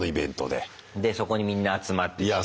でそこにみんな集まってきて。